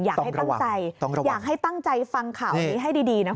อยากให้ตั้งใจอยากให้ตั้งใจฟังข่าวนี้ให้ดีนะ